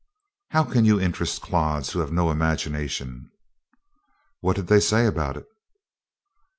"How can you interest clods who have no imagination?" "What did they say about it?"